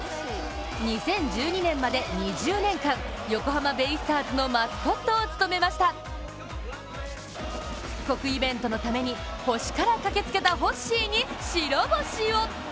２０１２年まで２０年間、横浜ベイスターズの復刻イベントのために星から駆けつけたホッシーに白星を。